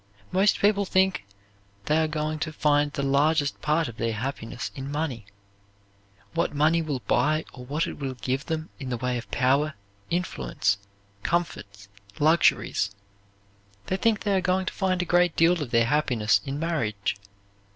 Most people think they are going to find the largest part of their happiness in money, what money will buy or what it will give them in the way of power, influence, comforts, luxuries. They think they are going to find a great deal of their happiness in marriage.